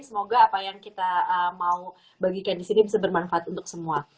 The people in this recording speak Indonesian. semoga apa yang kita mau bagikan di sini bisa bermanfaat untuk semua